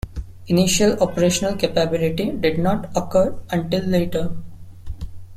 Initial operational capability did not occur until later.